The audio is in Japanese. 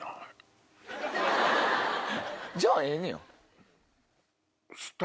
じゃあええねや。